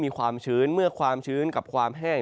ความชื้นเมื่อความชื้นกับความแห้ง